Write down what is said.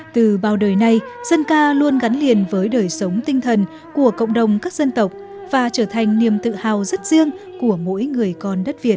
từ bao đời nay dân ca luôn gắn liền với đời sống tinh thần của cộng đồng các dân tộc và trở thành niềm tự hào rất riêng của mỗi người con đất việt